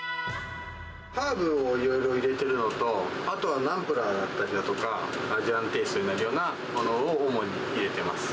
ハーブをいろいろ入れてるのと、あとはナンプラーだったりだとか、アジアンテイストになるようなものを主に入れてます。